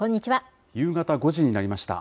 夕方５時になりました。